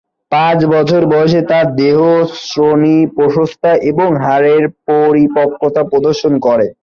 পাঁচ বছর বয়সে তার দেহ শ্রোণী প্রশস্ততা এবং হাড়ের পরিপক্বতা প্রদর্শন করে।